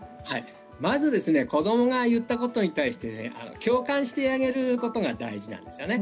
まずは子どもが言ったことに対して共感してあげることが大事なんですね。